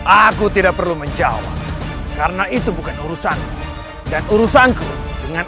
aku tidak perlu menjawab karena itu bukan urusan dan urusanku dengan